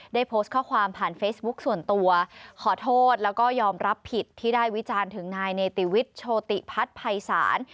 ได้โพสต์ข้อความผ่านเฟซบุ๊คส่วนตัวขอโทษแล้วก็ยอมรับผิดที่ได้วิจารณ์ถึงนายเนติวิทย์โชติพัฒน์ภัยศาล